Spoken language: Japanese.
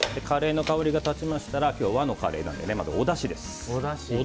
カレーの香りが立ちましたら今日、和のカレーなのでまず、おだしです。